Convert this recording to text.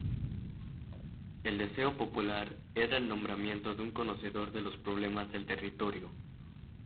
El deseo popular era el nombramiento de un conocedor de los problemas del Territorio.